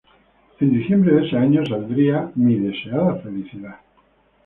En diciembre de ese año saldría "我要的幸福", "Mi deseada felicidad".